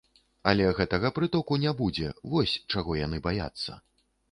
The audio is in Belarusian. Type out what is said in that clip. Але гэтага прытоку не будзе, вось чаго яны баяцца.